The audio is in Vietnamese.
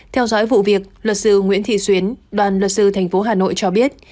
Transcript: theo dõi vụ việc luật sư nguyễn thị xuyến đoàn luật sư thành phố hà nội cho biết